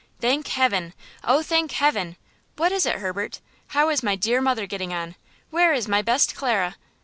"Thank heaven! oh, thank heaven! What is it, Herbert? How is my dear mother getting on? Where is my best Clara?"